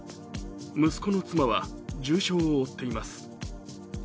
息子の妻は重傷を負っています。